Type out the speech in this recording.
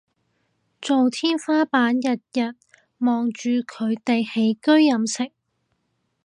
做天花板日日望住佢哋起居飲食